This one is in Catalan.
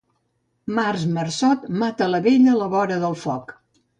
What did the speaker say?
Març marçot mata la vella a la vora del foc